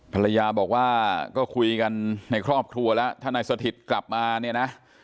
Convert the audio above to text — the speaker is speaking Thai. ภรรยาบอกว่าก็คุยกันในครอบครัวแล้วถ้านายสถิตกลับมาเนี่ยนะ